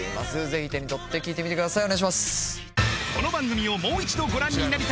ぜひ手に取って聴いてみてください